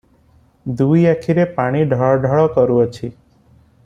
ଦୁଇ ଆଖିରେ ପାଣି ଢଳ ଢଳ କରୁଅଛି ।